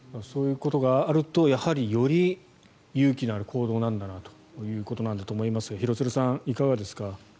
そういうことがあるとより勇気のある行動なんだなということだと思いますが廣津留さん、いかがですか。